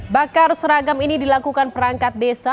bakar seragam ini dilakukan perangkat desa